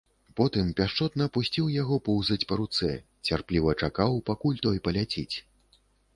Потым пяшчотна пусціў яго поўзаць па руцэ, цярпліва чакаў, пакуль той паляціць.